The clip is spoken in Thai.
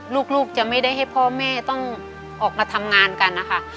ลูกจะไม่ได้ให้พ่อแม่ต้องออกมาทำงานกันนะคะ